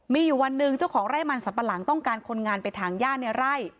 มีอยู่วันหนึ่งเจ้าของไร่มันสับปะหลังต้องการคนงานไปถางย่าในไร่